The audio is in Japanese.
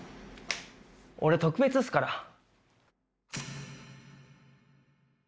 俺特別っすから。